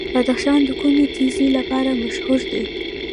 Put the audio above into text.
بدخشان د کومې تیږې لپاره مشهور دی؟